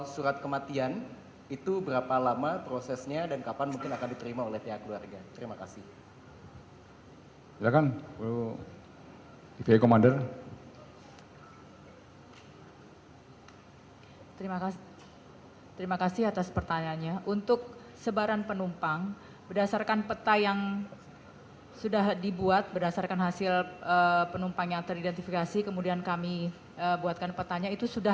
setelah komunikasi ini tetap akan nanti ditampung